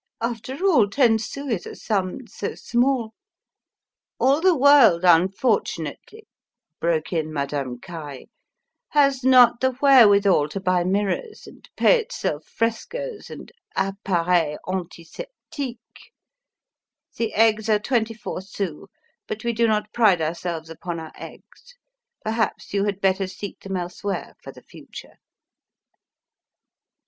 After all, ten sous is a sum so small" "All the world, unfortunately," broke in Madame Caille, "has not the wherewithal to buy mirrors, and pay itself frescoes and appareils antiseptiques! The eggs are twenty four sous but we do not pride ourselves upon our eggs. Perhaps you had better seek them elsewhere for the future!"